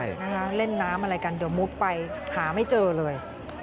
ใช่นะคะเล่นน้ำอะไรกันเดี๋ยวมุดไปหาไม่เจอเลย